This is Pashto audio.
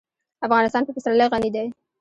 افغانستان په پسرلی غني دی.